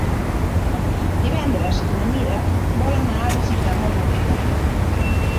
Divendres na Mira vol anar a visitar mon oncle.